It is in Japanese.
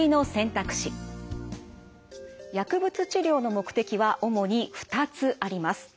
薬物治療の目的は主に２つあります。